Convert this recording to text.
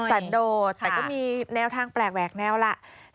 สันโดดแต่ก็มีแนวทางแปลกแหวกแนวล่ะ